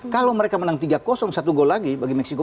kalau mereka menang tiga satu gol lagi bagi meksiko